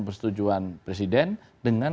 persetujuan presiden dengan